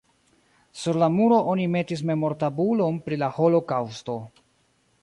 Sur la muro oni metis memortabulon pri la holokaŭsto.